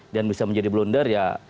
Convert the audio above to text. dan bisa menjadi blunder ya